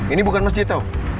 ini bukan mas jito